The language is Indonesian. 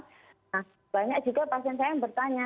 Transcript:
nah banyak juga pasien saya yang bertanya